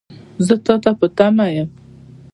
زه تا ته په تمه یم .